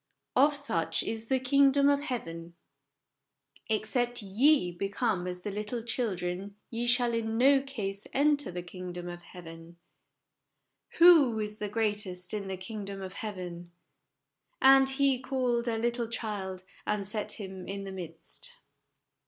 " Of such is the kingdom of heaven." " Ex cept ye become as little children ye shall in no case enter the kingdom of heaven." " Who is the greatest in the kingdom of heaven ?"" And He called a little child, and set him in the midst."